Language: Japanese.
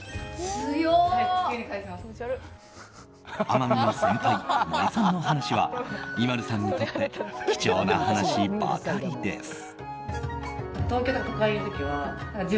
奄美の先輩、森さんの話はＩＭＡＬＵさんにとって貴重な話ばかりです。